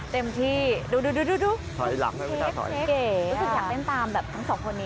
เต็มที่ดูดูถอยหลังถอยรู้สึกอยากเต้นตามแบบทั้งสองคนนี้